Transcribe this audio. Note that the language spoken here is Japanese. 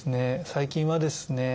最近はですね